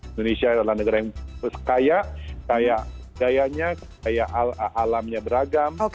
indonesia adalah negara yang kaya kayanya kaya alamnya beragam